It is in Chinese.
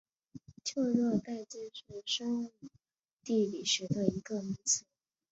旧热带界是生物地理学的一个名词。